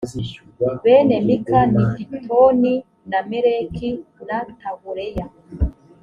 bene mika ni pitoni na meleki na tahureya